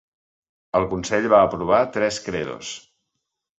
El consell va aprovar tres credos.